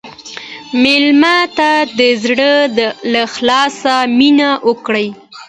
مېلمه ته د زړه له اخلاصه مینه ورکړه.